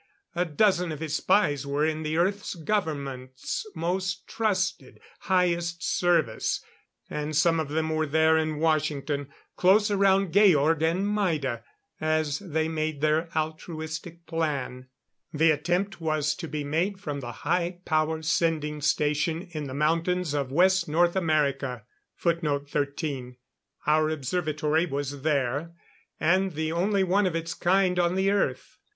A dozen of his spies were in the Earth government's most trusted, highest service and some of them were there in Washington, close around Georg and Maida as they made their altruistic plan. The attempt was to be made from the high power sending station in the mountains of West North America. Our observatory was there; and the only one of its kind on the Earth.